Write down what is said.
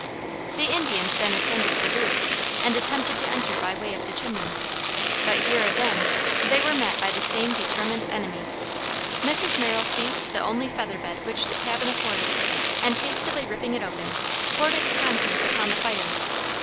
The Indians then ascended the roof and attempted to enter by way of the chimney, but here, again, they were met by the same determined enemy. Mrs. Merrill seized the only feather bed which the cabin afforded, and hastily ripping it open, poured its contents upon the fire.